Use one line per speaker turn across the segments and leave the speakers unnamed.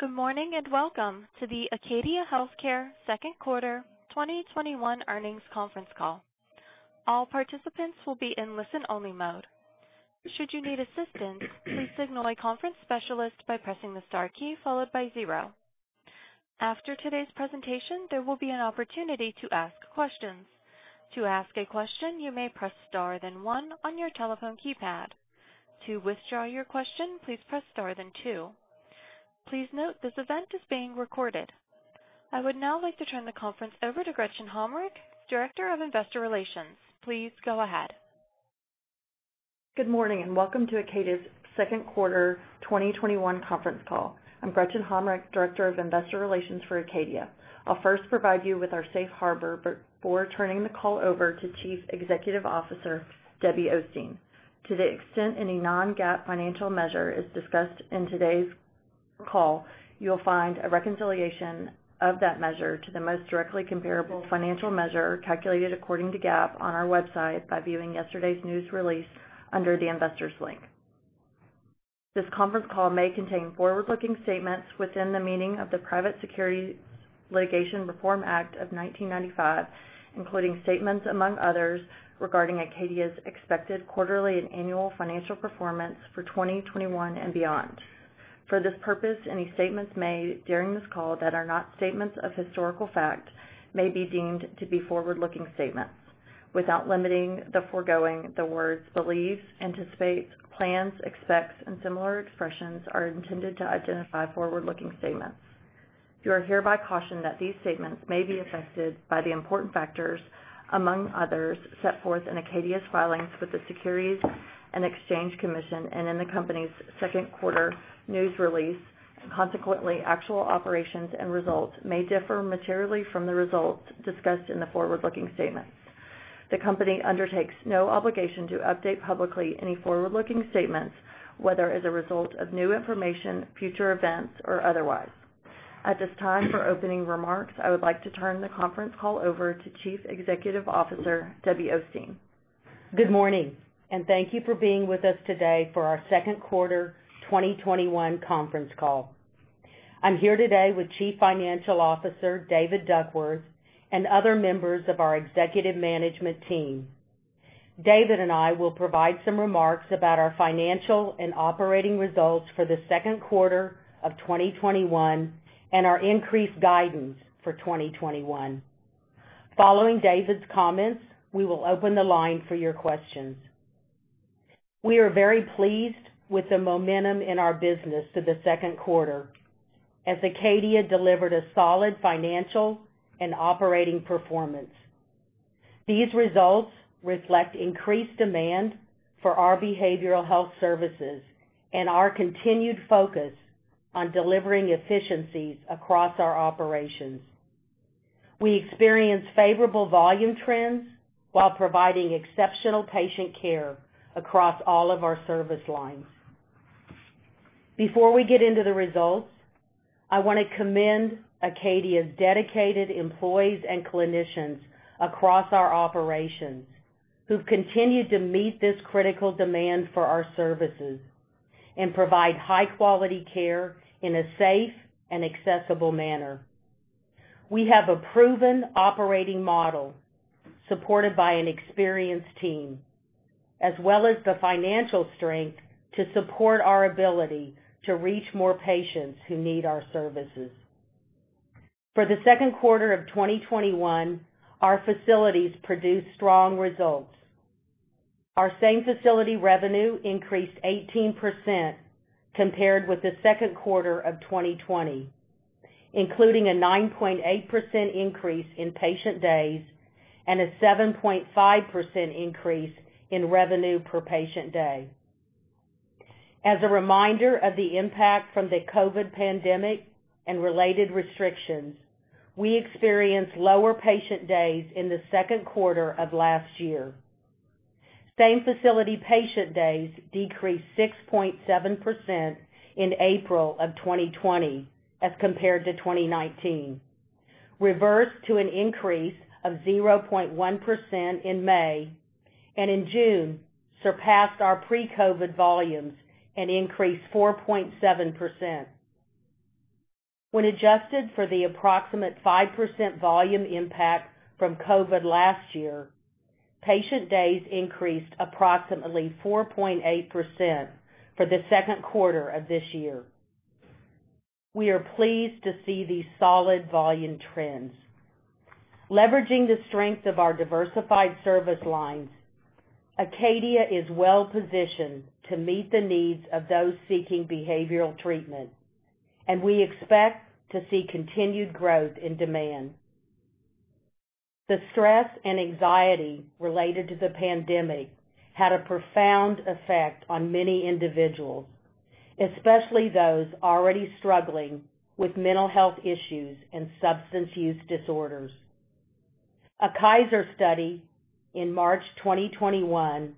Good morning, and welcome to the Acadia Healthcare second quarter 2021 earnings conference call. All participants will be in listen-only mode. Should you need assistance, please signal a conference specialist by pressing the star key followed by zero. After today's presentation, there will be an opportunity to ask questions. To ask a question, you may press star then one on your telephone keypad. To withdraw your question, please press star then two. Please note this event is being recorded. I would now like to turn the conference over to Gretchen Hommrich, Director of Investor Relations. Please go ahead.
Good morning. Welcome to Acadia's second quarter 2021 conference call. I'm Gretchen Hommrich, Director of Investor Relations for Acadia. I'll first provide you with our safe harbor before turning the call over to Chief Executive Officer, Debbie Osteen. To the extent any non-GAAP financial measure is discussed in today's call, you'll find a reconciliation of that measure to the most directly comparable financial measure calculated according to GAAP on our website by viewing yesterday's news release under the Investors link. This conference call may contain forward-looking statements within the meaning of the Private Securities Litigation Reform Act of 1995, including statements among others regarding Acadia's expected quarterly and annual financial performance for 2021 and beyond. For this purpose, any statements made during this call that are not statements of historical fact may be deemed to be forward-looking statements. Without limiting the foregoing, the words believe, anticipate, plans, expects, and similar expressions are intended to identify forward-looking statements. You are hereby cautioned that these statements may be affected by the important factors, among others, set forth in Acadia's filings with the Securities and Exchange Commission and in the company's second quarter news release. Consequently, actual operations and results may differ materially from the results discussed in the forward-looking statement. The company undertakes no obligation to update publicly any forward-looking statements, whether as a result of new information, future events, or otherwise. At this time, for opening remarks, I would like to turn the conference call over to Chief Executive Officer, Debbie Osteen.
Good morning, thank you for being with us today for our second quarter 2021 conference call. I'm here today with Chief Financial Officer, David Duckworth, and other members of our executive management team. David and I will provide some remarks about our financial and operating results for the second quarter of 2021 and our increased guidance for 2021. Following David's comments, we will open the line for your questions. We are very pleased with the momentum in our business through the second quarter as Acadia delivered a solid financial and operating performance. These results reflect increased demand for our behavioral health services and our continued focus on delivering efficiencies across our operations. We experienced favorable volume trends while providing exceptional patient care across all of our service lines. Before we get into the results, I want to commend Acadia's dedicated employees and clinicians across our operations who've continued to meet this critical demand for our services and provide high-quality care in a safe and accessible manner. We have a proven operating model supported by an experienced team, as well as the financial strength to support our ability to reach more patients who need our services. For the second quarter of 2021, our facilities produced strong results. Our same-facility revenue increased 18% compared with the second quarter of 2020, including a 9.8% increase in patient days and a 7.5% increase in revenue per patient day. As a reminder of the impact from the COVID pandemic and related restrictions, we experienced lower patient days in the second quarter of last year. Same-facility patient days decreased 6.7% in April of 2020 as compared to 2019, reversed to an increase of 0.1% in May, and in June surpassed our pre-COVID volumes and increased 4.7%. When adjusted for the approximate 5% volume impact from COVID last year, patient days increased approximately 4.8% for the second quarter of this year. We are pleased to see these solid volume trends. Leveraging the strength of our diversified service lines, Acadia is well-positioned to meet the needs of those seeking behavioral treatment, and we expect to see continued growth in demand. The stress and anxiety related to the pandemic had a profound effect on many individuals, especially those already struggling with mental health issues and substance use disorders. A Kaiser study in March 2021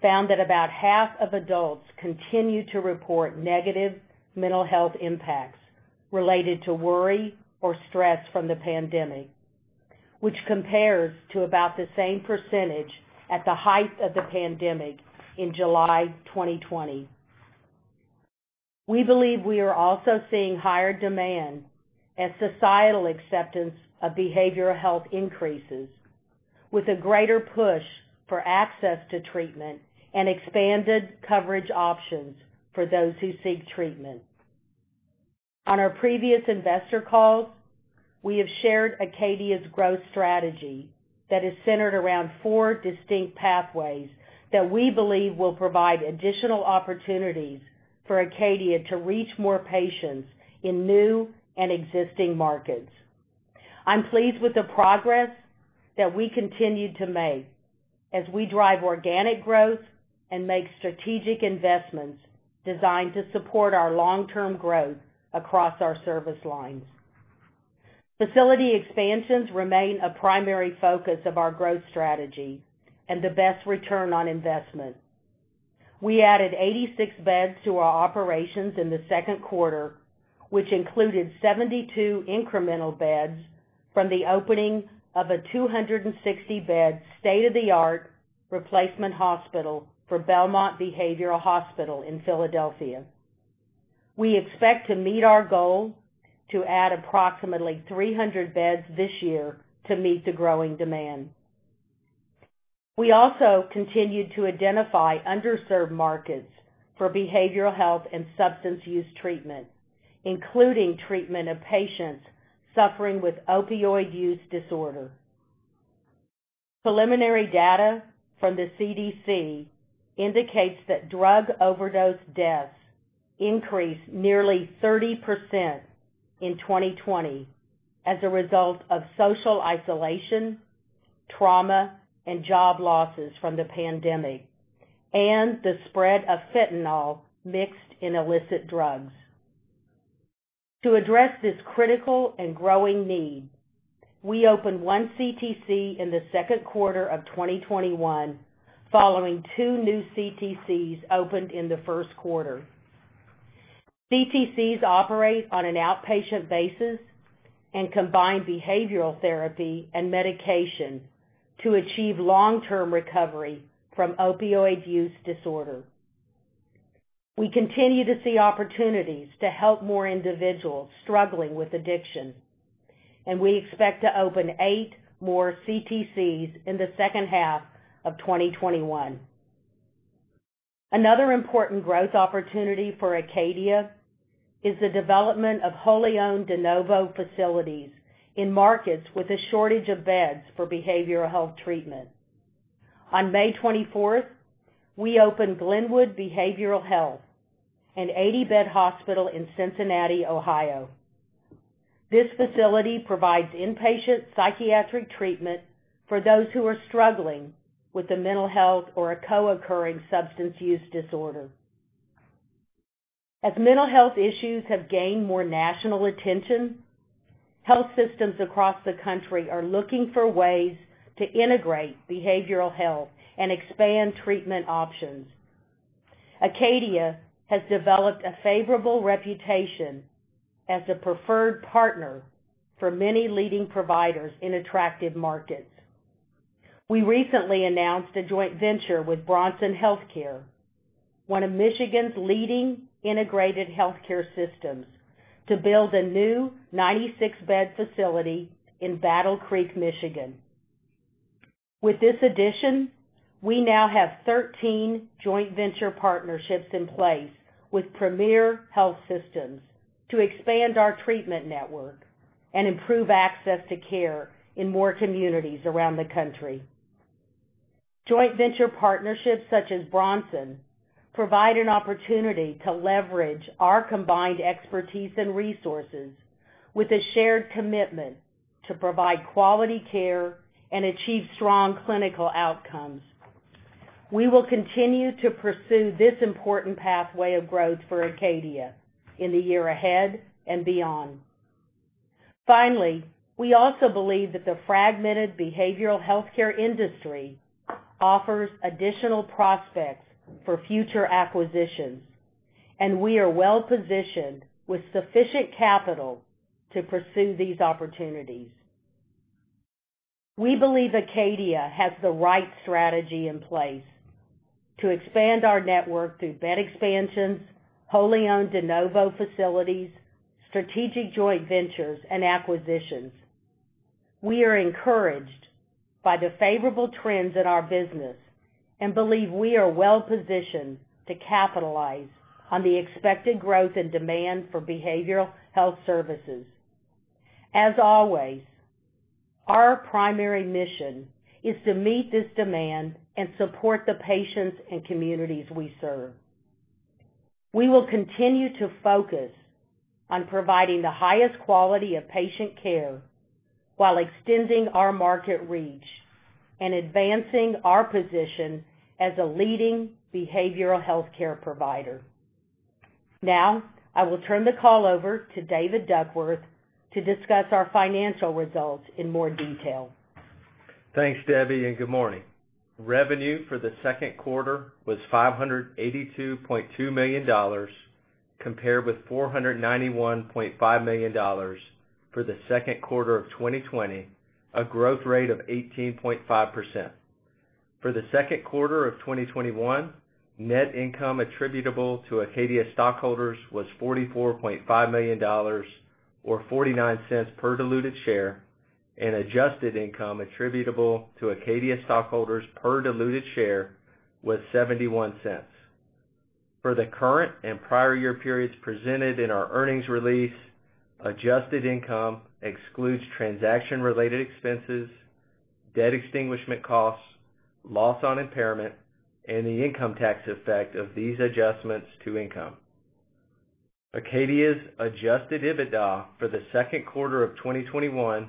found that about half of adults continue to report negative mental health impacts related to worry or stress from the pandemic. Which compares to about the same percentage at the height of the pandemic in July 2020. We believe we are also seeing higher demand as societal acceptance of behavioral health increases, with a greater push for access to treatment and expanded coverage options for those who seek treatment. On our previous investor calls, we have shared Acadia's growth strategy that is centered around four distinct pathways that we believe will provide additional opportunities for Acadia to reach more patients in new and existing markets. I'm pleased with the progress that we continue to make as we drive organic growth and make strategic investments designed to support our long-term growth across our service lines. Facility expansions remain a primary focus of our growth strategy and the best return on investment. We added 86 beds to our operations in the second quarter, which included 72 incremental beds from the opening of a 260-bed state-of-the-art replacement hospital for Belmont Behavioral Hospital in Philadelphia. We expect to meet our goal to add approximately 300 beds this year to meet the growing demand. We also continued to identify underserved markets for behavioral health and substance use treatment, including treatment of patients suffering with opioid use disorder. Preliminary data from the CDC indicates that drug overdose deaths increased nearly 30% in 2020 as a result of social isolation, trauma, and job losses from the pandemic, and the spread of fentanyl mixed in illicit drugs. To address this critical and growing need, we opened one CTC in the second quarter of 2021, following two new CTCs opened in the first quarter. CTCs operate on an outpatient basis and combine behavioral therapy and medication to achieve long-term recovery from opioid use disorder. We continue to see opportunities to help more individuals struggling with addiction, and we expect to open eight more CTCs in the second half of 2021. Another important growth opportunity for Acadia is the development of wholly-owned de novo facilities in markets with a shortage of beds for behavioral health treatment. On May 24th, we opened Glenwood Behavioral Health, an 80-bed hospital in Cincinnati, Ohio. This facility provides inpatient psychiatric treatment for those who are struggling with a mental health or a co-occurring substance use disorder. As mental health issues have gained more national attention, health systems across the country are looking for ways to integrate behavioral health and expand treatment options. Acadia has developed a favorable reputation as a preferred partner for many leading providers in attractive markets. We recently announced a joint venture with Bronson Healthcare, one of Michigan's leading integrated healthcare systems, to build a new 96-bed facility in Battle Creek, Michigan. With this addition, we now have 13 joint venture partnerships in place with premier health systems to expand our treatment network and improve access to care in more communities around the country. Joint venture partnerships such as Bronson provide an opportunity to leverage our combined expertise and resources with a shared commitment to provide quality care and achieve strong clinical outcomes. We will continue to pursue this important pathway of growth for Acadia in the year ahead and beyond. We also believe that the fragmented behavioral healthcare industry offers additional prospects for future acquisitions, and we are well-positioned with sufficient capital to pursue these opportunities. We believe Acadia has the right strategy in place to expand our network through bed expansions, wholly owned de novo facilities, strategic joint ventures, and acquisitions. We are encouraged by the favorable trends in our business and believe we are well-positioned to capitalize on the expected growth and demand for behavioral health services. As always, our primary mission is to meet this demand and support the patients and communities we serve. We will continue to focus on providing the highest quality of patient care while extending our market reach and advancing our position as a leading behavioral healthcare provider. I will turn the call over to David Duckworth to discuss our financial results in more detail.
Thanks, Debbie, and good morning. Revenue for the second quarter was $582.2 million compared with $491.5 million for the second quarter of 2020, a growth rate of 18.5%. For the second quarter of 2021, net income attributable to Acadia stockholders was $44.5 million or $0.49 per diluted share, and adjusted income attributable to Acadia stockholders per diluted share was $0.71. For the current and prior year periods presented in our earnings release, adjusted income excludes transaction-related expenses, debt extinguishment costs, loss on impairment, and the income tax effect of these adjustments to income. Acadia's adjusted EBITDA for the second quarter of 2021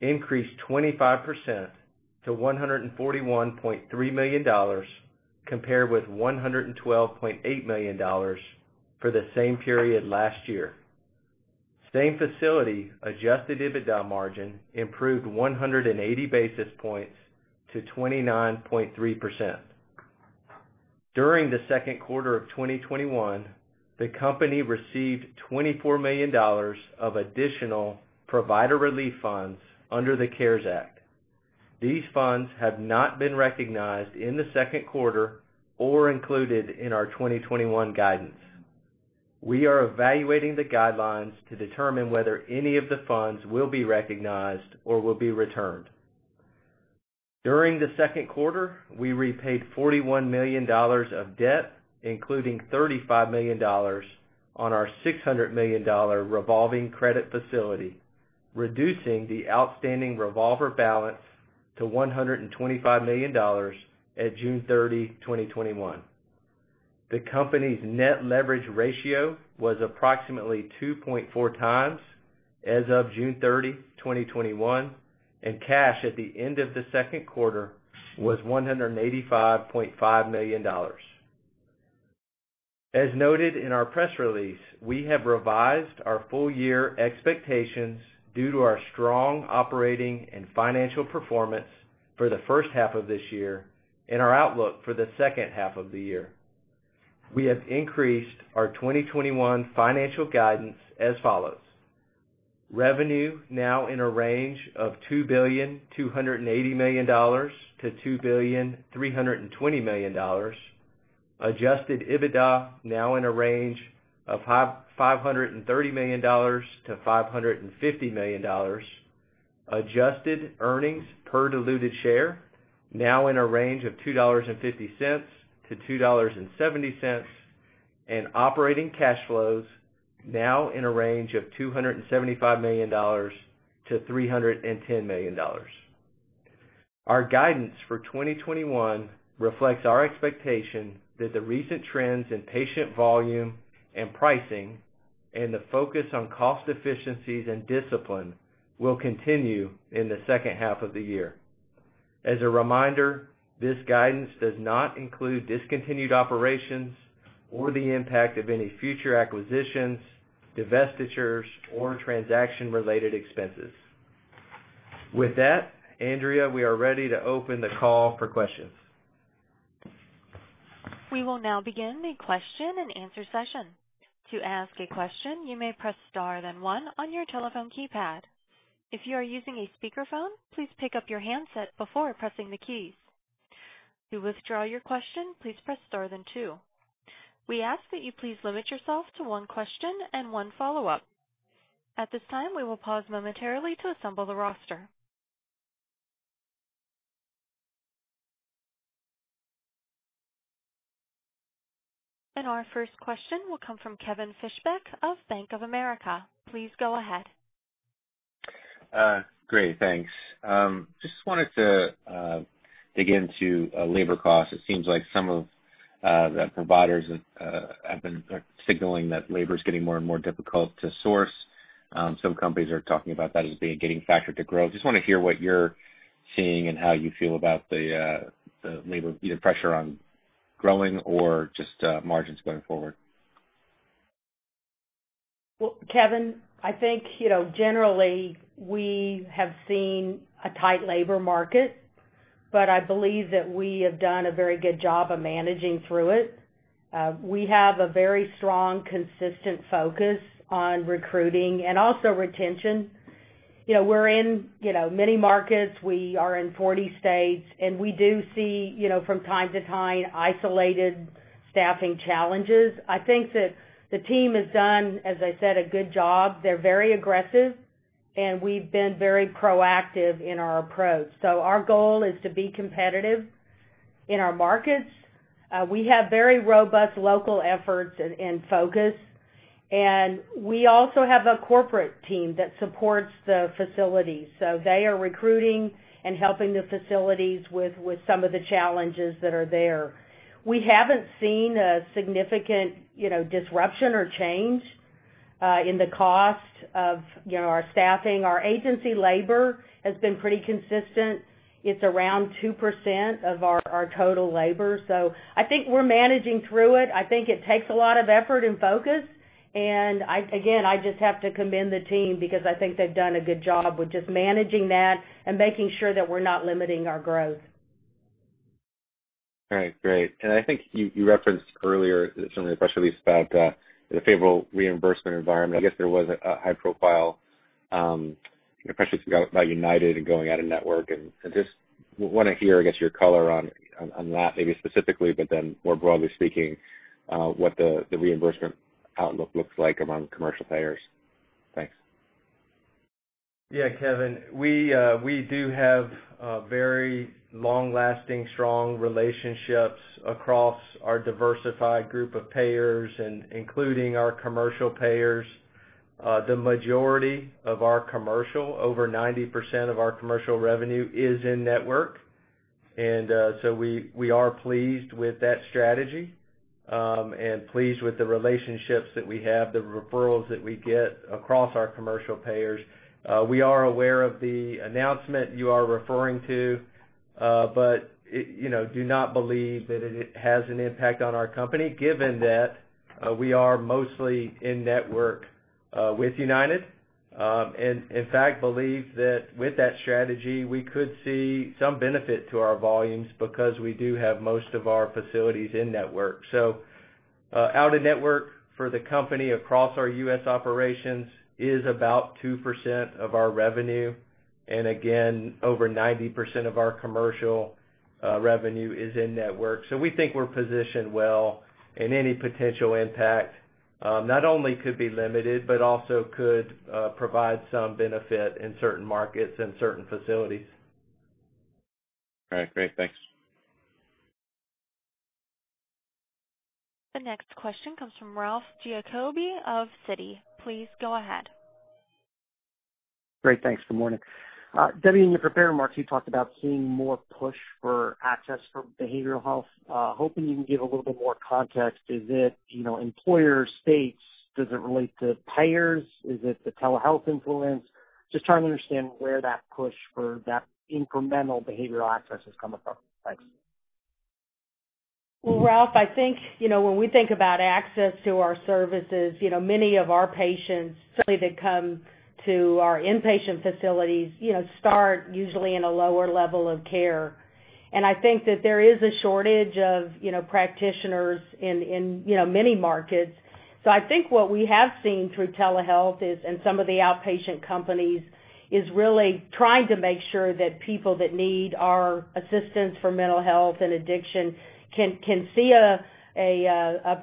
increased 25% to $141.3 million compared with $112.8 million for the same period last year. Same-facility adjusted EBITDA margin improved 180 basis points to 29.3%. During the second quarter of 2021, the company received $24 million of additional provider relief funds under the CARES Act. These funds have not been recognized in the second quarter or included in our 2021 guidance. We are evaluating the guidelines to determine whether any of the funds will be recognized or will be returned. During the second quarter, we repaid $41 million of debt, including $35 million on our $600 million revolving credit facility, reducing the outstanding revolver balance to $125 million at June 30, 2021. The company's net leverage ratio was approximately 2.4x as of June 30, 2021, and cash at the end of the second quarter was $185.5 million. As noted in our press release, we have revised our full year expectations due to our strong operating and financial performance for the first half of this year and our outlook for the second half of the year. We have increased our 2021 financial guidance as follows. Revenue now in a range of $2.280 billion-$2.320 billion. Adjusted EBITDA now in a range of $530 million-$550 million. Adjusted earnings per diluted share now in a range of $2.50-$2.70. Operating cash flows now in a range of $275 million-$310 million. Our guidance for 2021 reflects our expectation that the recent trends in patient volume and pricing and the focus on cost efficiencies and discipline will continue in the second half of the year. As a reminder, this guidance does not include discontinued operations or the impact of any future acquisitions, divestitures, or transaction-related expenses. With that, Andrea, we are ready to open the call for questions.
We will now begin the question and answer session. To ask a question, you may press star then one on your telephone keypad. If you are using a speakerphone, please pick up your handset before pressing the keys. To withdraw your question, please press star then two. We ask that you please limit yourself to one question and one follow-up. At this time, we will pause momentarily to assemble the roster. Our first question will come from Kevin Fischbeck of Bank of America. Please go ahead.
Great, thanks. Just wanted to dig into labor costs. It seems like some of the providers have been signaling that labor is getting more and more difficult to source. Some companies are talking about that as getting factored to growth. Just want to hear what you're seeing and how you feel about the labor pressure on growing or just margins going forward?
Well, Kevin, I think, generally, we have seen a tight labor market, but I believe that we have done a very good job of managing through it. We have a very strong, consistent focus on recruiting and also retention. We're in many markets. We are in 40 states, and we do see, from time to time, isolated staffing challenges. I think that the team has done, as I said, a good job. They're very aggressive, and we've been very proactive in our approach. Our goal is to be competitive in our markets. We have very robust local efforts and focus, and we also have a corporate team that supports the facilities. They are recruiting and helping the facilities with some of the challenges that are there. We haven't seen a significant disruption or change in the cost of our staffing. Our agency labor has been pretty consistent. It's around 2% of our total labor. I think we're managing through it. I think it takes a lot of effort and focus, and again, I just have to commend the team because I think they've done a good job with just managing that and making sure that we're not limiting our growth.
All right, great. I think you referenced earlier, certainly the press release about the favorable reimbursement environment. I guess there was a high-profile pressures by UnitedHealthcare in going out-of-network and I just want to hear, I guess, your color on that maybe specifically, but then more broadly speaking, what the reimbursement outlook looks like among commercial payers. Thanks.
Yeah, Kevin, we do have very long-lasting, strong relationships across our diversified group of payers and including our commercial payers. The majority of our commercial, over 90% of our commercial revenue is in-network. We are pleased with that strategy, and pleased with the relationships that we have, the referrals that we get across our commercial payers. We are aware of the announcement you are referring to, but do not believe that it has an impact on our company given that we are mostly in-network with UnitedHealthcare. In fact, believe that with that strategy, we could see some benefit to our volumes because we do have most of our facilities in-network. Out-of-network for the company across our U.S. operations is about 2% of our revenue. Again, over 90% of our commercial revenue is in-network. We think we're positioned well and any potential impact, not only could be limited, but also could provide some benefit in certain markets and certain facilities.
All right, great. Thanks.
The next question comes from Ralph Giacobbe of Citi. Please go ahead.
Great, thanks. Good morning. Debbie, in your prepared remarks, you talked about seeing more push for access for behavioral health. Hoping you can give a little bit more context. Is it employer states? Does it relate to payers? Is it the telehealth influence? Just trying to understand where that push for that incremental behavioral access is coming from. Thanks.
Well, Ralph, I think, when we think about access to our services, many of our patients, certainly that come to our inpatient facilities, start usually in a lower level of care. I think that there is a shortage of practitioners in many markets. I think what we have seen through telehealth is, and some of the outpatient companies, is really trying to make sure that people that need our assistance for mental health and addiction can see a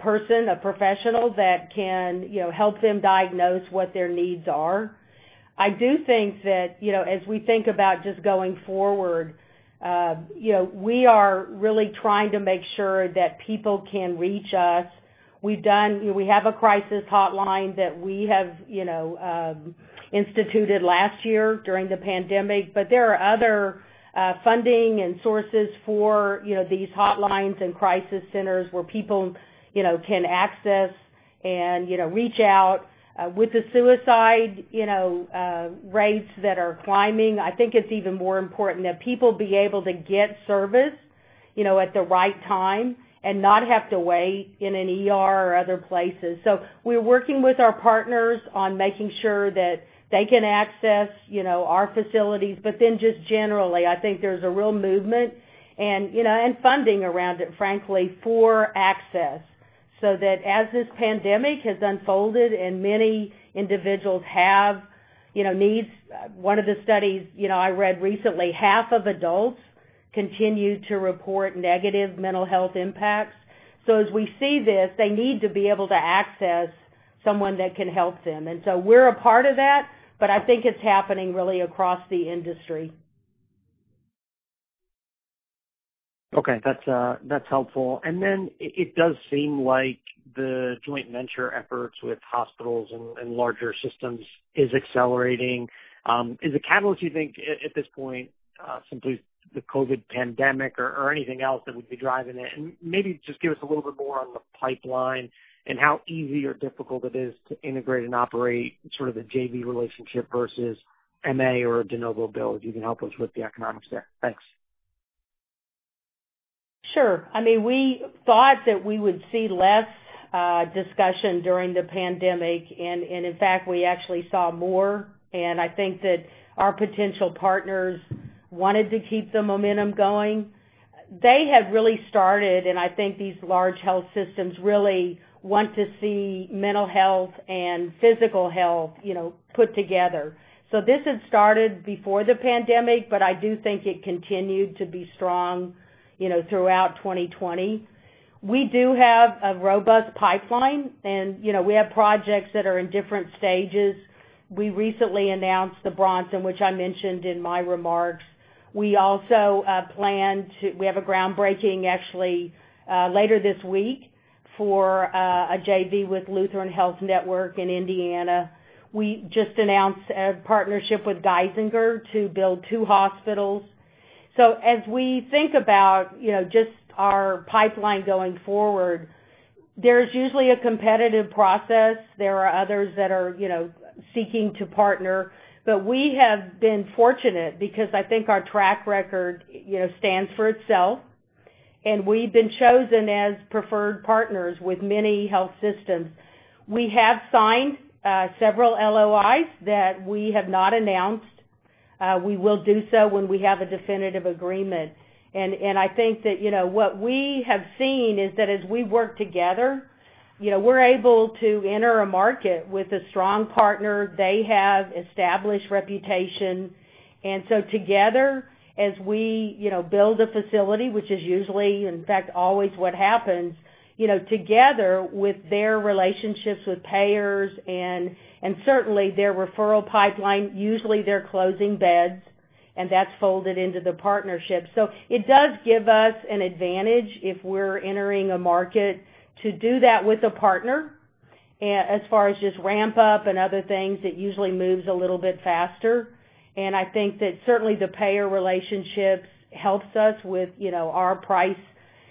person, a professional that can help them diagnose what their needs are. I do think that, as we think about just going forward, we are really trying to make sure that people can reach us. We have a crisis hotline that we have instituted last year during the pandemic, but there are other funding and sources for these hotlines and crisis centers where people can access and reach out. With the suicide rates that are climbing, I think it's even more important that people be able to get service at the right time and not have to wait in an ER or other places. We're working with our partners on making sure that they can access our facilities. Just generally, I think there's a real movement and funding around it, frankly, for access, so that as this pandemic has unfolded and many individuals have needs. One of the studies I read recently, half of adults continue to report negative mental health impacts. As we see this, they need to be able to access someone that can help them. We're a part of that, but I think it's happening really across the industry.
Okay. That's helpful. It does seem like the joint venture efforts with hospitals and larger systems is accelerating. Is the catalyst you think at this point, simply the COVID pandemic or anything else that would be driving it? Maybe just give us a little bit more on the pipeline and how easy or difficult it is to integrate and operate sort of a JV relationship versus M&A or a de novo build. You can help us with the economics there. Thanks.
Sure. We thought that we would see less discussion during the pandemic, in fact, we actually saw more. I think that our potential partners wanted to keep the momentum going. They had really started, I think these large health systems really want to see mental health and physical health put together. This had started before the pandemic, I do think it continued to be strong throughout 2020. We do have a robust pipeline and we have projects that are in different stages. We recently announced the Bronson Healthcare, which I mentioned in my remarks. We have a groundbreaking actually, later this week for a JV with Lutheran Health Network in Indiana. We just announced a partnership with Geisinger to build two hospitals. As we think about just our pipeline going forward, there's usually a competitive process. There are others that are seeking to partner, but we have been fortunate because I think our track record stands for itself. We've been chosen as preferred partners with many health systems. We have signed several LOIs that we have not announced. We will do so when we have a definitive agreement. I think that what we have seen is that as we work together, we're able to enter a market with a strong partner. They have established reputation. Together, as we build a facility, which is usually, in fact, always what happens. Together with their relationships with payers and certainly their referral pipeline, usually they're closing beds and that's folded into the partnership. It does give us an advantage if we're entering a market to do that with a partner. As far as just ramp up and other things, it usually moves a little bit faster. I think that certainly the payer relationships helps us with our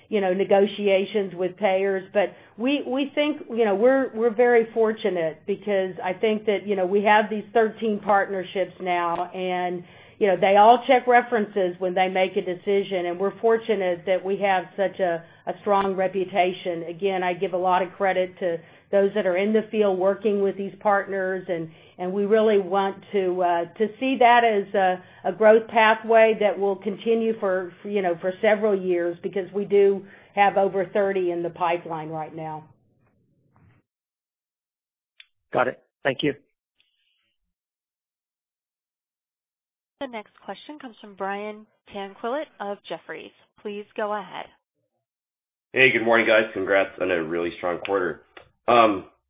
price negotiations with payers. We think we're very fortunate because I think that we have these 13 partnerships now. They all check references when they make a decision. We're fortunate that we have such a strong reputation. Again, I give a lot of credit to those that are in the field working with these partners. We really want to see that as a growth pathway that will continue for several years because we do have over 30 in the pipeline right now.
Got it. Thank you.
The next question comes from Brian Tanquilut of Jefferies. Please go ahead.
Hey, good morning, guys. Congrats on a really strong quarter.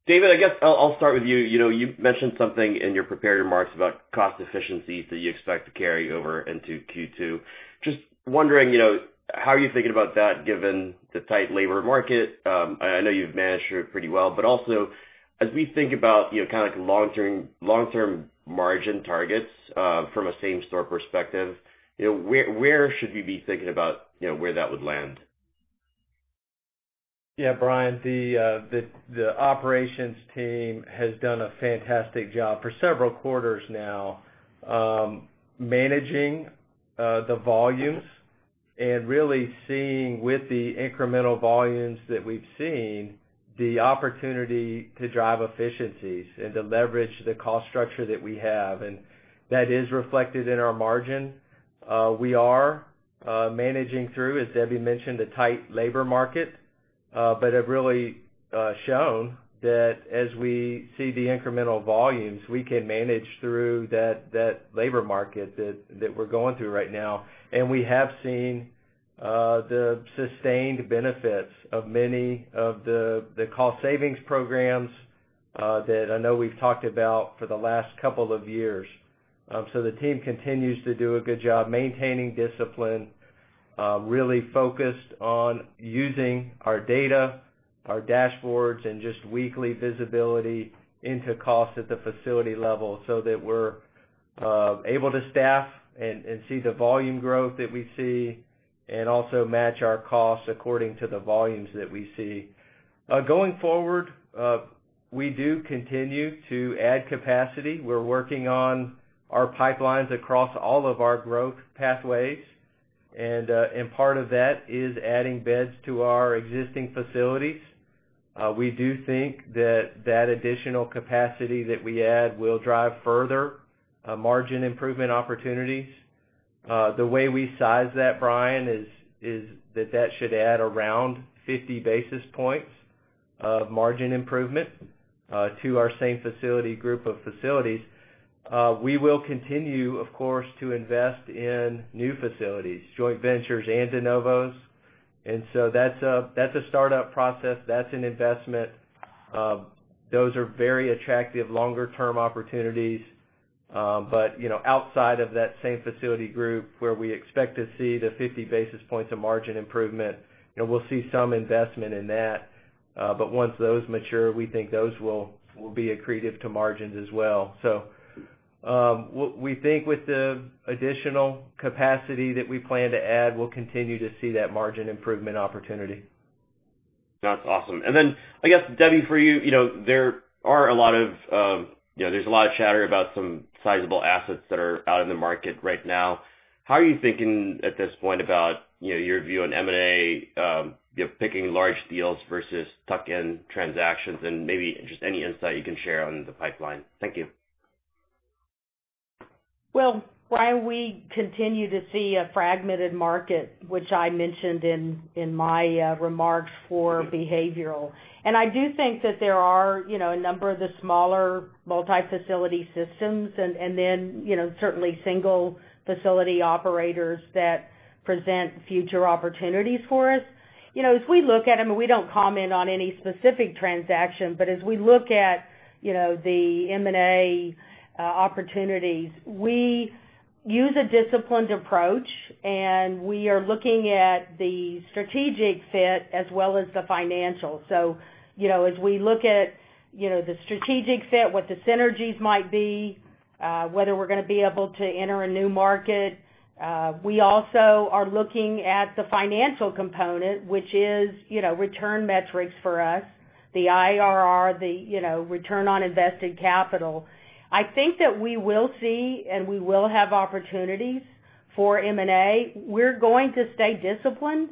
David, I guess I'll start with you. You mentioned something in your prepared remarks about cost efficiencies that you expect to carry over into Q2. Just wondering how are you thinking about that given the tight labor market? I know you've managed through it pretty well, but also as we think about long-term margin targets from a same store perspective, where should we be thinking about where that would land?
Yeah. Brian, the operations team has done a fantastic job for several quarters now managing the volumes and really seeing with the incremental volumes that we've seen, the opportunity to drive efficiencies and to leverage the cost structure that we have. That is reflected in our margin. We are managing through, as Debbie mentioned, a tight labor market, but have really shown that as we see the incremental volumes, we can manage through that labor market that we're going through right now. We have seen the sustained benefits of many of the cost savings programs that I know we've talked about for the last couple of years. The team continues to do a good job maintaining discipline, really focused on using our data, our dashboards, and just weekly visibility into cost at the facility level so that we're able to staff and see the volume growth that we see, and also match our costs according to the volumes that we see. Going forward, we do continue to add capacity. We're working on our pipelines across all of our growth pathways, and part of that is adding beds to our existing facilities. We do think that that additional capacity that we add will drive further margin improvement opportunities. The way we size that, Brian, is that that should add around 50 basis points of margin improvement to our same facility group of facilities. We will continue, of course, to invest in new facilities, joint ventures, and de novos. That's a startup process. That's an investment. Those are very attractive longer term opportunities. Outside of that same facility group where we expect to see the 50 basis points of margin improvement, we'll see some investment in that. Once those mature, we think those will be accretive to margins as well. We think with the additional capacity that we plan to add, we'll continue to see that margin improvement opportunity.
That's awesome. I guess, Debbie, for you, there's a lot of chatter about some sizable assets that are out in the market right now. How are you thinking at this point about your view on M&A, picking large deals versus tuck-in transactions, and maybe just any insight you can share on the pipeline? Thank you.
Brian, we continue to see a fragmented market, which I mentioned in my remarks for behavioral. I do think that there are a number of the smaller multi-facility systems and then certainly single-facility operators that present future opportunities for us. As we look at them, and we don't comment on any specific transaction, but as we look at the M&A opportunities, we use a disciplined approach and we are looking at the strategic fit as well as the financial. As we look at the strategic fit, what the synergies might be, whether we're going to be able to enter a new market. We also are looking at the financial component, which is return metrics for us, the IRR, the return on invested capital. I think that we will see and we will have opportunities for M&A. We're going to stay disciplined.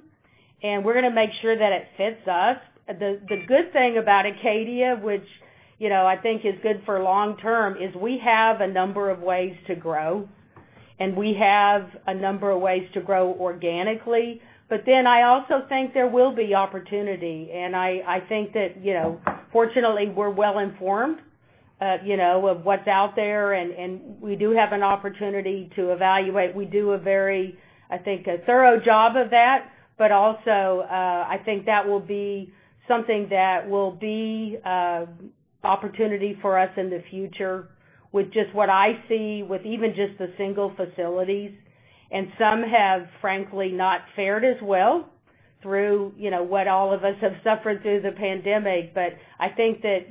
We're going to make sure that it fits us. The good thing about Acadia, which I think is good for long term, is we have a number of ways to grow. We have a number of ways to grow organically. I also think there will be opportunity. I think that, fortunately, we're well-informed of what's out there. We do have an opportunity to evaluate. We do a very, I think, a thorough job of that, but also, I think that will be something that will be an opportunity for us in the future with just what I see with even just the single facilities. Some have, frankly, not fared as well through what all of us have suffered through the pandemic. I think that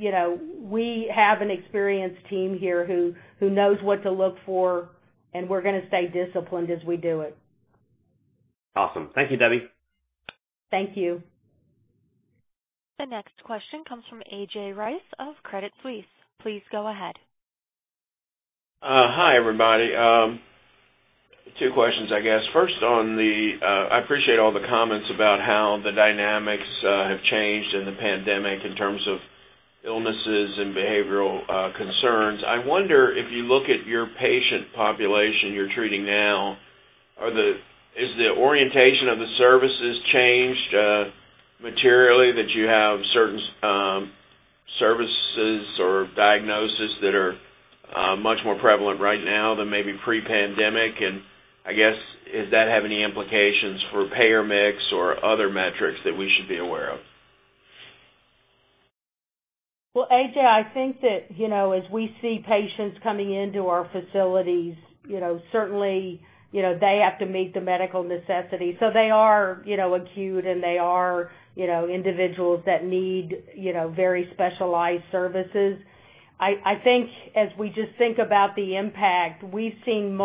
we have an experienced team here who knows what to look for, and we're going to stay disciplined as we do it.
Awesome. Thank you, Debbie.
Thank you.
The next question comes from A.J. Rice of Credit Suisse. Please go ahead.
Hi, everybody. Two questions, I guess. First, I appreciate all the comments about how the dynamics have changed in the pandemic in terms of illnesses and behavioral concerns. I wonder if you look at your patient population you're treating now, is the orientation of the services changed materially that you have certain services or diagnoses that are much more prevalent right now than maybe pre-pandemic? I guess, does that have any implications for payer mix or other metrics that we should be aware of?
Well, A.J., I think that, as we see patients coming into our facilities, certainly, they have to meet the medical necessity. They are acute, and they are individuals that need very specialized services. I think as we just think about the impact, we've seen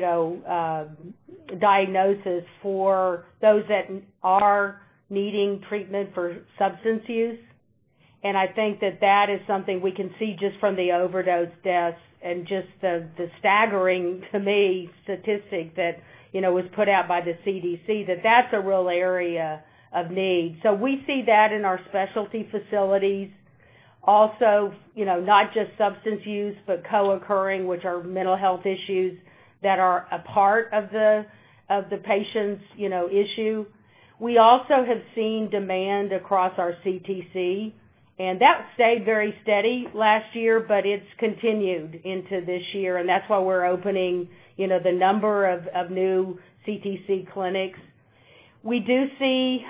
multi-diagnosis for those that are needing treatment for substance use, and I think that that is something we can see just from the overdose deaths and just the staggering, to me, statistic that was put out by the CDC, that that's a real area of need. We see that in our specialty facilities. Also, not just substance use, but co-occurring, which are mental health issues that are a part of the patient's issue. We also have seen demand across our CTC, and that stayed very steady last year, but it's continued into this year, and that's why we're opening the number of new CTC clinics. We do see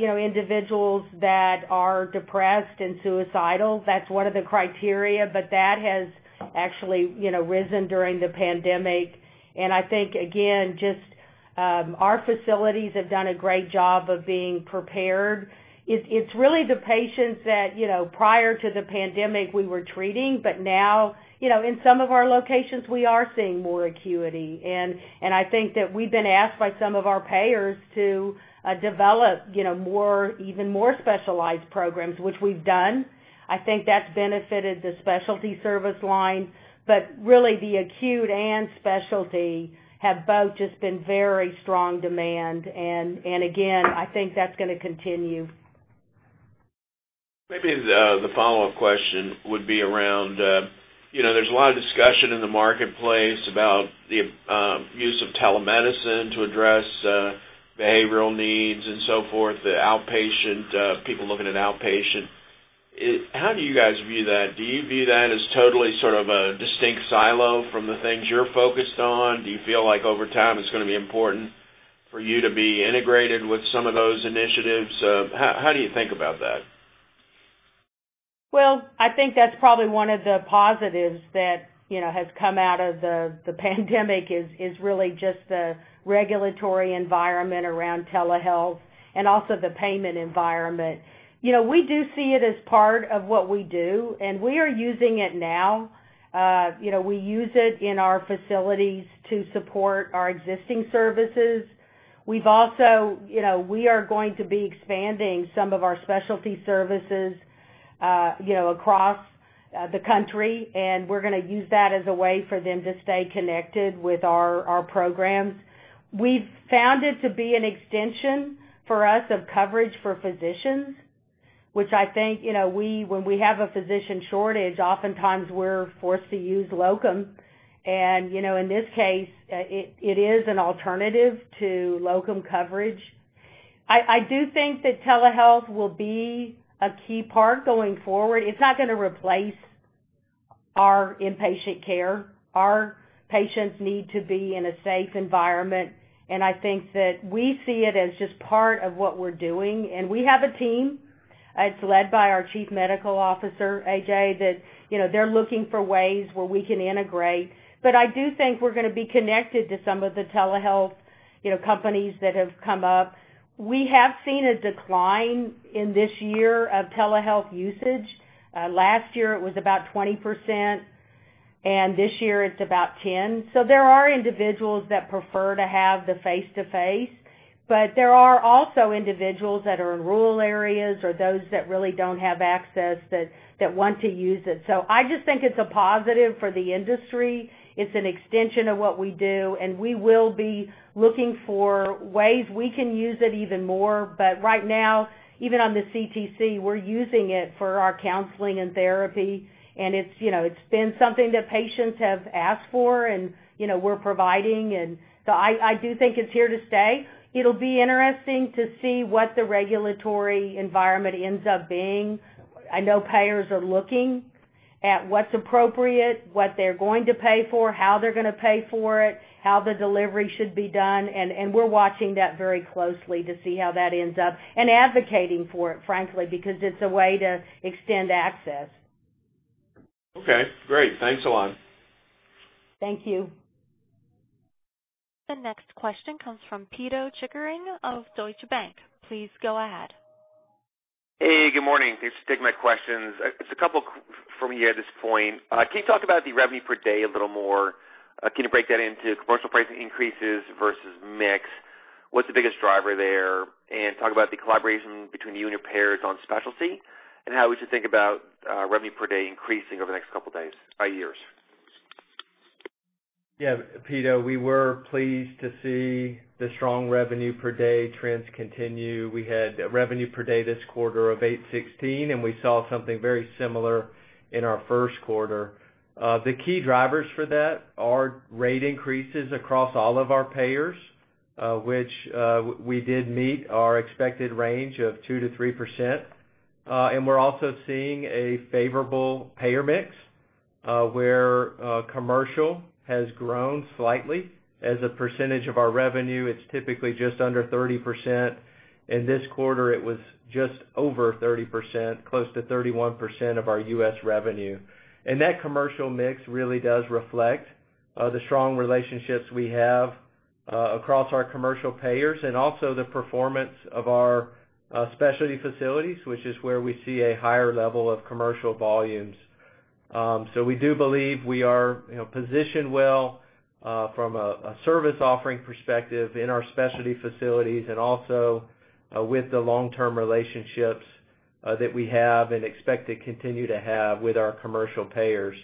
individuals that are depressed and suicidal. That's one of the criteria, but that has actually risen during the pandemic. I think, again, just our facilities have done a great job of being prepared. It's really the patients that, prior to the pandemic, we were treating, but now, in some of our locations, we are seeing more acuity. I think that we've been asked by some of our payers to develop even more specialized programs, which we've done. I think that's benefited the specialty service line. Really, the acute and specialty have both just been very strong demand. Again, I think that's going to continue.
Maybe the follow-up question would be around, there's a lot of discussion in the marketplace about the use of telemedicine to address behavioral needs and so forth, the outpatient, people looking at outpatient. How do you guys view that? Do you view that as totally sort of a distinct silo from the things you're focused on? Do you feel like over time it's going to be important for you to be integrated with some of those initiatives? How do you think about that?
Well, I think that's probably one of the positives that has come out of the pandemic is really just the regulatory environment around telehealth and also the payment environment. We do see it as part of what we do, and we are using it now. We use it in our facilities to support our existing services. We are going to be expanding some of our specialty services across the country, and we're going to use that as a way for them to stay connected with our programs. We've found it to be an extension for us of coverage for physicians, which I think, when we have a physician shortage, oftentimes we're forced to use locum. In this case, it is an alternative to locum coverage. I do think that telehealth will be a key part going forward. It's not going to replace our inpatient care. Our patients need to be in a safe environment, and I think that we see it as just part of what we're doing. We have a team. It's led by our Chief Medical Officer, A.J., that they're looking for ways where we can integrate. I do think we're going to be connected to some of the telehealth companies that have come up. We have seen a decline in this year of telehealth usage. Last year, it was about 20%. This year it's about 10%. There are individuals that prefer to have the face-to-face, but there are also individuals that are in rural areas or those that really don't have access that want to use it. I just think it's a positive for the industry. It's an extension of what we do, and we will be looking for ways we can use it even more. Right now, even on the CTC, we're using it for our counseling and therapy, and it's been something that patients have asked for and we're providing. I do think it's here to stay. It'll be interesting to see what the regulatory environment ends up being. I know payers are looking at what's appropriate, what they're going to pay for, how they're going to pay for it, how the delivery should be done, and we're watching that very closely to see how that ends up. Advocating for it, frankly, because it's a way to extend access.
Okay, great. Thanks a lot.
Thank you.
The next question comes from Pito Chickering of Deutsche Bank. Please go ahead.
Hey, good morning. Thanks for taking my questions. It's a couple from me at this point. Can you talk about the revenue per day a little more? Can you break that into commercial price increases versus mix? What's the biggest driver there? Talk about the collaboration between you and your payers on specialty, and how we should think about revenue per day increasing over the next couple of years.
Yeah, Pito, we were pleased to see the strong revenue-per-day trends continue. We had revenue per day this quarter of $816, and we saw something very similar in our first quarter. The key drivers for that are rate increases across all of our payers, which we did meet our expected range of 2%-3%. We're also seeing a favorable payer mix, where commercial has grown slightly as a percentage of our revenue. It's typically just under 30%. In this quarter, it was just over 30%, close to 31% of our U.S. revenue. That commercial mix really does reflect the strong relationships we have across our commercial payers and also the performance of our specialty facilities, which is where we see a higher level of commercial volumes. We do believe we are positioned well from a service offering perspective in our specialty facilities and also with the long-term relationships that we have and expect to continue to have with our commercial payers.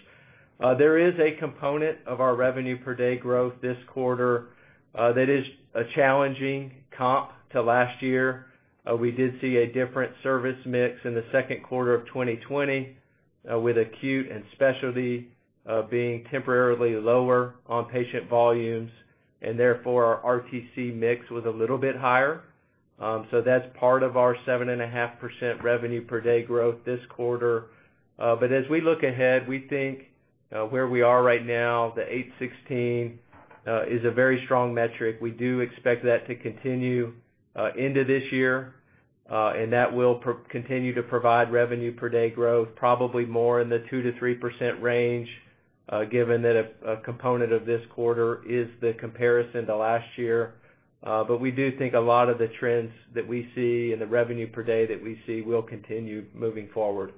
There is a component of our revenue per day growth this quarter that is a challenging comp to last year. We did see a different service mix in the second quarter of 2020 with acute and specialty being temporarily lower on patient volumes, and therefore our RTC mix was a little bit higher. That's part of our 7.5% revenue per day growth this quarter. As we look ahead, we think where we are right now, the $816, is a very strong metric. We do expect that to continue into this year. That will continue to provide revenue per day growth, probably more in the 2%-3% range, given that a component of this quarter is the comparison to last year. We do think a lot of the trends that we see and the revenue per day that we see will continue moving forward.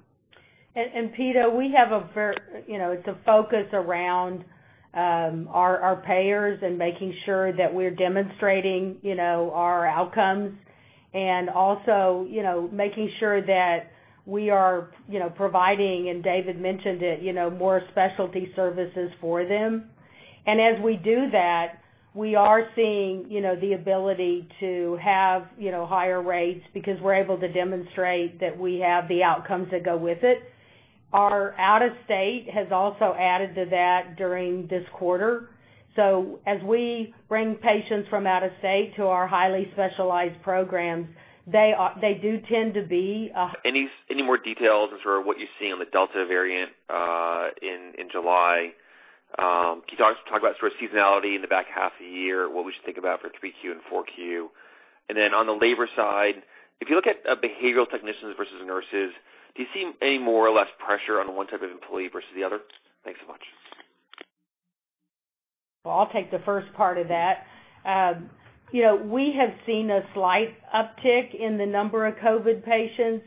Pito, it's a focus around our payers and making sure that we're demonstrating our outcomes and also making sure that we are providing, and David mentioned it, more specialty services for them. As we do that, we are seeing the ability to have higher rates because we're able to demonstrate that we have the outcomes that go with it. Our out-of-state has also added to that during this quarter. As we bring patients from out of state to our highly specialized programs, they do tend to be.
Any more details in sort of what you're seeing on the Delta variant in July? Can you talk about sort of seasonality in the back half of the year? What should we think about for 3Q and 4Q? Then on the labor side, if you look at behavioral technicians versus nurses, do you see any more or less pressure on one type of employee versus the other? Thanks so much.
Well, I'll take the first part of that. We have seen a slight uptick in the number of COVID patients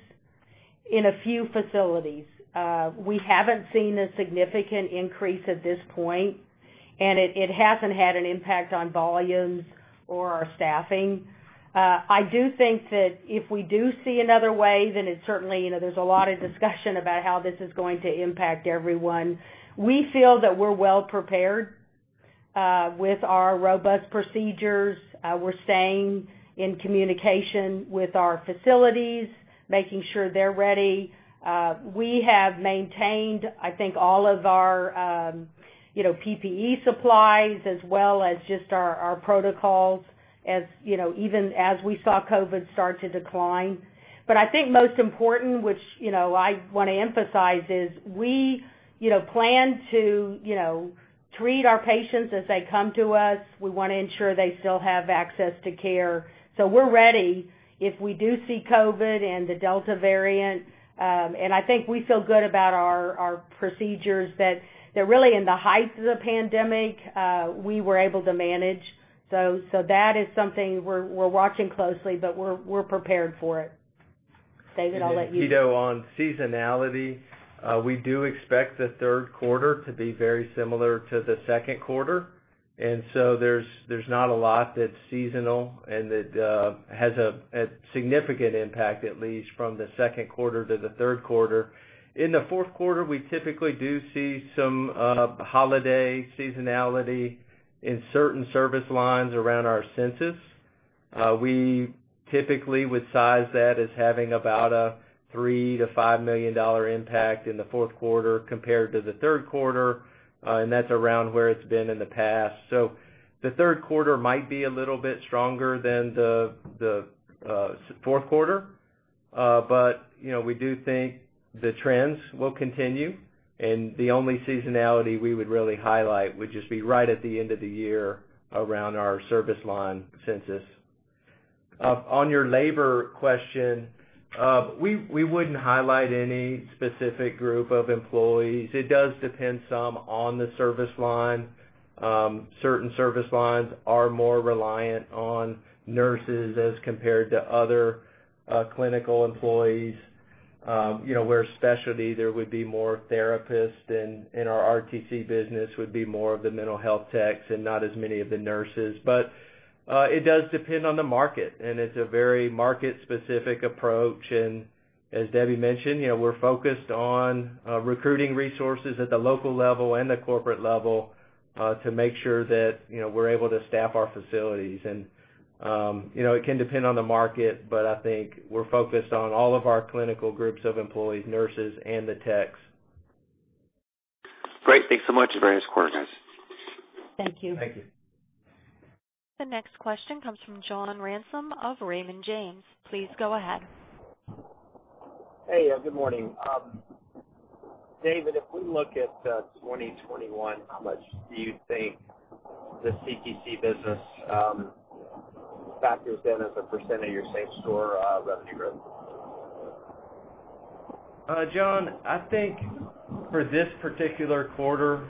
in a few facilities. We haven't seen a significant increase at this point, and it hasn't had an impact on volumes or our staffing. I do think that if we do see another wave, and it certainly, there's a lot of discussion about how this is going to impact everyone. We feel that we're well prepared with our robust procedures. We're staying in communication with our facilities, making sure they're ready. We have maintained, I think, all of our PPE supplies as well as just our protocols even as we saw COVID start to decline. I think most important, which I want to emphasize, is we plan to treat our patients as they come to us. We want to ensure they still have access to care. We're ready if we do see COVID and the Delta variant, and I think we feel good about our procedures that really in the height of the pandemic, we were able to manage. That is something we're watching closely, but we're prepared for it. David, I'll let you.
Pito, on seasonality, we do expect the third quarter to be very similar to the second quarter. There's not a lot that's seasonal and that has a significant impact, at least from the second quarter to the third quarter. In the fourth quarter, we typically do see some holiday seasonality in certain service lines around our census. We typically would size that as having about a $3 million-$5 million impact in the fourth quarter compared to the third quarter. That's around where it's been in the past. The third quarter might be a little bit stronger than the fourth quarter. We do think the trends will continue, and the only seasonality we would really highlight would just be right at the end of the year around our service line census. On your labor question, we wouldn't highlight any specific group of employees. It does depend some on the service line. Certain service lines are more reliant on nurses as compared to other clinical employees, where specialty there would be more therapists and in our RTC business would be more of the mental health techs and not as many of the nurses. It does depend on the market, and it's a very market-specific approach. As Debbie mentioned, we're focused on recruiting resources at the local level and the corporate level, to make sure that we're able to staff our facilities. It can depend on the market, but I think we're focused on all of our clinical groups of employees, nurses, and the techs.
Great. Thanks so much. Very supportive.
Thank you.
Thank you.
The next question comes from John Ransom of Raymond James. Please go ahead.
Hey, good morning. David, if we look at 2021, how much do you think the CTC business factors in as a percent of your same-store revenue growth?
John, I think for this particular quarter,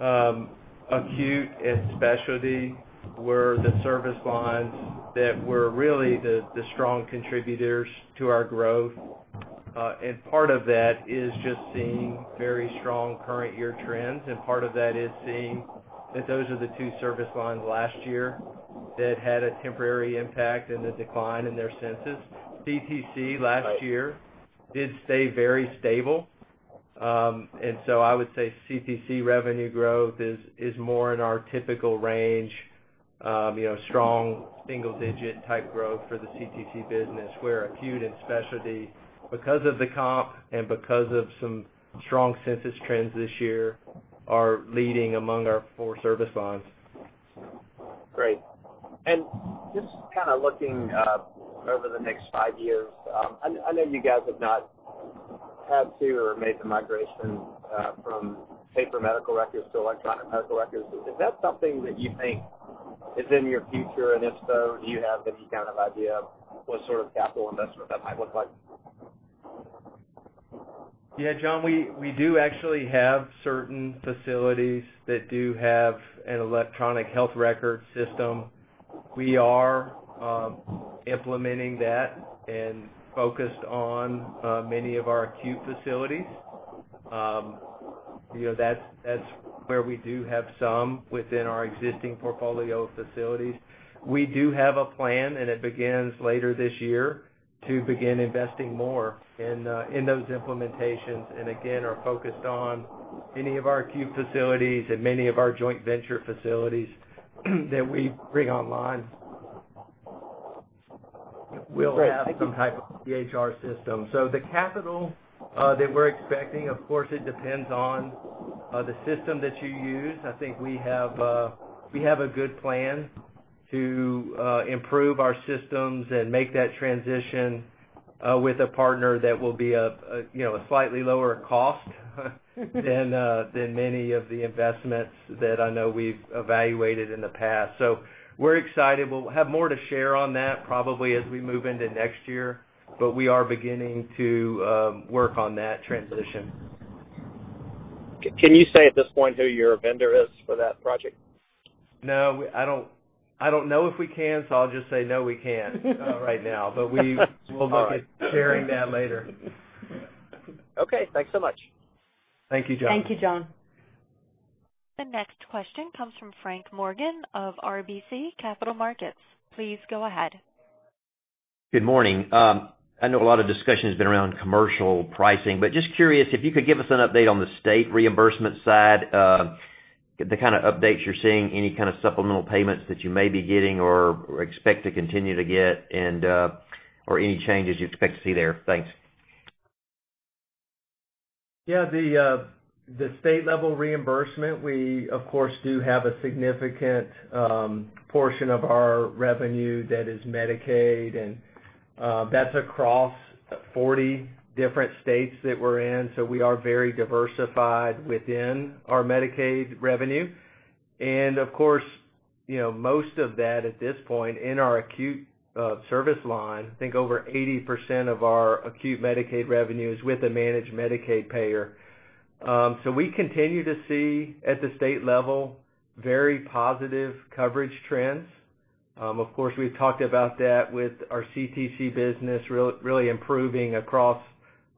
acute and specialty were the service lines that were really the strong contributors to our growth. Part of that is just seeing very strong current year trends, and part of that is seeing that those are the two service lines last year that had a temporary impact and a decline in their census. CTC last year did stay very stable. I would say CTC revenue growth is more in our typical range, strong single-digit type growth for the CTC business, where acute and specialty, because of the comp and because of some strong census trends this year, are leading among our four service lines.
Great. Just kind of looking over the next five years, I know you guys have not had to or made the migration from paper medical records to electronic medical records. Is that something that you think is in your future? If so, do you have any kind of idea of what sort of capital investment that might look like?
Yeah, John, we do actually have certain facilities that do have an electronic health record system. We are implementing that and focused on many of our acute facilities. That's where we do have some within our existing portfolio of facilities. We do have a plan, and it begins later this year to begin investing more in those implementations, and again, are focused on any of our acute facilities and many of our joint venture facilities that we bring online.
Great. Thank you.
We'll have some type of EHR system. The capital that we're expecting, of course, it depends on the system that you use. I think we have a good plan to improve our systems and make that transition with a partner that will be a slightly lower cost than many of the investments that I know we've evaluated in the past. We're excited. We'll have more to share on that probably as we move into next year, but we are beginning to work on that transition.
Can you say at this point who your vendor is for that project?
No, I don't know if we can, so I'll just say no, we can't right now.
All right.
We will be sharing that later.
Okay, thanks so much.
Thank you, John.
Thank you, John.
The next question comes from Frank Morgan of RBC Capital Markets. Please go ahead.
Good morning. I know a lot of discussion has been around commercial pricing, but just curious if you could give us an update on the state reimbursement side, the kind of updates you're seeing, any kind of supplemental payments that you may be getting or expect to continue to get and or any changes you expect to see there. Thanks.
The state level reimbursement, we of course, do have a significant portion of our revenue that is Medicaid, and that's across 40 different states that we're in. We are very diversified within our Medicaid revenue. Of course, most of that at this point in our acute service line, I think over 80% of our acute Medicaid revenue is with a managed Medicaid payer. We continue to see at the state level, very positive coverage trends. Of course, we've talked about that with our CTC business really improving across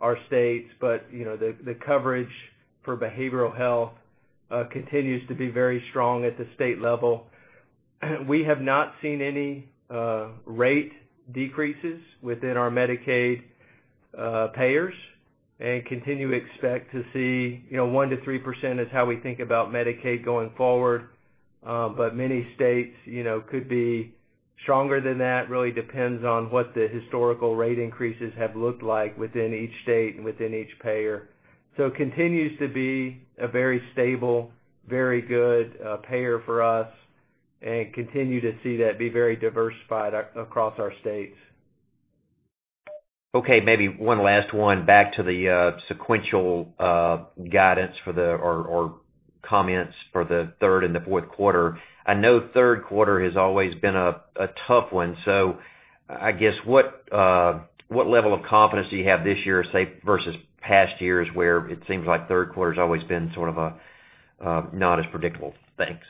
our states. The coverage for behavioral health continues to be very strong at the state level. We have not seen any rate decreases within our Medicaid payers and continue to expect to see 1%-3% is how we think about Medicaid going forward. Many states could be stronger than that. Really depends on what the historical rate increases have looked like within each state and within each payer. Continues to be a very stable, very good payer for us and continue to see that be very diversified across our states.
Okay, maybe one last one. Back to the sequential guidance for the, or comments for the third and the fourth quarter, I know third quarter has always been a tough one, so I guess, what level of confidence do you have this year, say, versus past years where it seems like third quarter's always been sort of not as predictable? Thanks.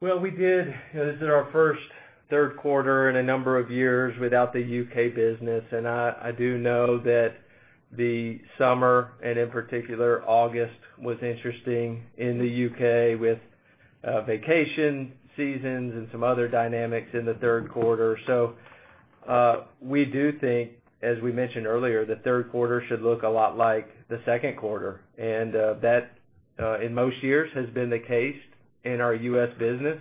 Well, we did our first third quarter in a number of years without the U.K. business. I do know that the summer, and in particular August, was interesting in the U.K. with vacation seasons and some other dynamics in the third quarter. We do think, as we mentioned earlier, the third quarter should look a lot like the second quarter, and that, in most years, has been the case in our U.S. business.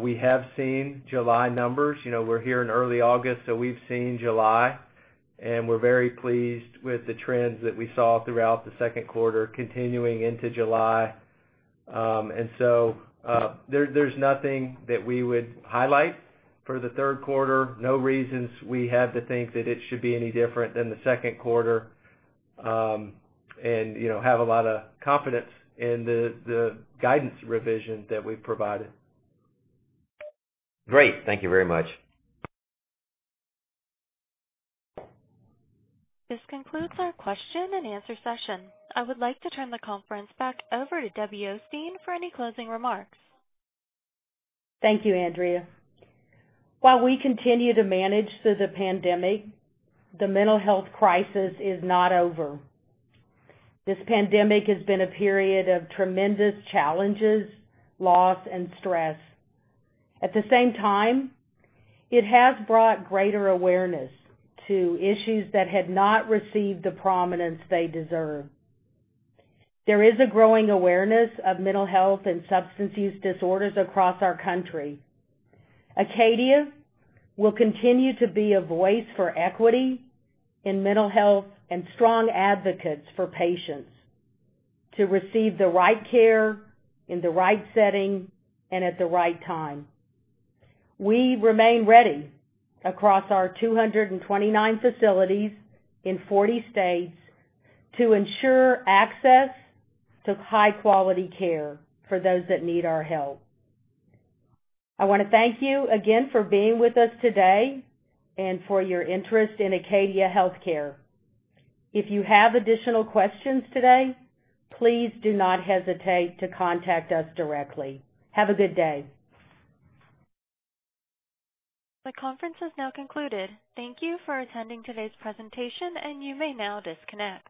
We have seen July numbers. We're here in early August, so we've seen July, and we're very pleased with the trends that we saw throughout the second quarter continuing into July. There's nothing that we would highlight for the third quarter. No reasons we have to think that it should be any different than the second quarter. We have a lot of confidence in the guidance revision that we've provided.
Great. Thank you very much.
This concludes our question and answer session. I would like to turn the conference back over to Debbie Osteen for any closing remarks.
Thank you, Andrea. While we continue to manage through the pandemic, the mental health crisis is not over. This pandemic has been a period of tremendous challenges, loss, and stress. At the same time, it has brought greater awareness to issues that had not received the prominence they deserve. There is a growing awareness of mental health and substance use disorders across our country. Acadia will continue to be a voice for equity in mental health and strong advocates for patients to receive the right care in the right setting and at the right time. We remain ready across our 229 facilities in 40 states to ensure access to high-quality care for those that need our help. I want to thank you again for being with us today and for your interest in Acadia Healthcare. If you have additional questions today, please do not hesitate to contact us directly. Have a good day.
The conference is now concluded. Thank you for attending today's presentation. You may now disconnect.